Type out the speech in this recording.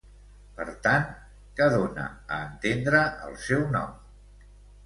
Per tant, què dona a entendre el seu nom?